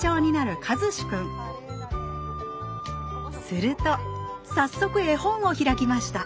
すると早速絵本を開きました